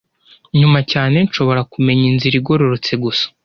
Nyuma cyane, nshobora kumenya inzira igororotse gusa,